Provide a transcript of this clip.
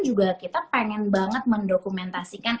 juga kita pengen banget mendokumentasikan